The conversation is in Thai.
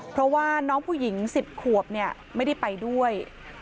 เพราะว่าน้องผู้หญิง๑๐ขวบไม่ได้ไปด้วย